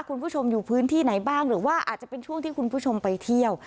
คุณผู้ชมอยู่พื้นที่ไหนบ้างหรือว่าอาจจะเป็นช่วงที่คุณผู้ชมไปเที่ยว